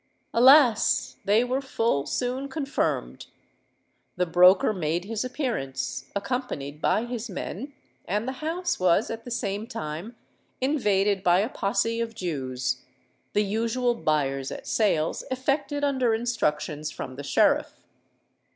Alas! they were full soon confirmed. The broker made his appearance, accompanied by his men; and the house was at the same time invaded by a posse of Jews—the usual buyers at sales effected under instructions from the Sheriff.